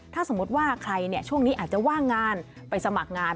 ถ้าสมมุติว่าใครช่วงนี้อาจจะว่างงานไปสมัครงาน